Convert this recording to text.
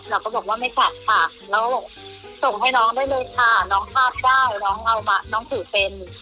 เราก็บอกว่าไม่กลับค่ะแล้วส่งให้น้องได้เลยค่ะน้องคาดได้น้องเอามาน้องถือเป็น